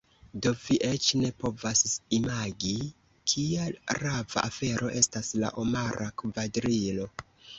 Do vi eĉ ne povas imagi, kia rava afero estas la Omara Kvadrilo.